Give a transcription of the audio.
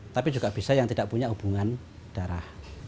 tapi juga bisa yang tidak punya hubungan darah